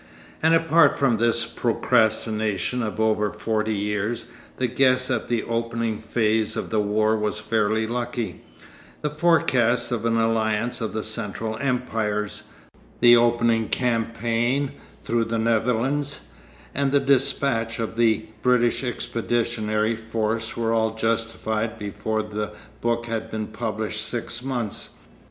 And apart from this procrastination of over forty years, the guess at the opening phase of the war was fairly lucky; the forecast of an alliance of the Central Empires, the opening campaign through the Netherlands, and the despatch of the British Expeditionary Force were all justified before the book had been published six months.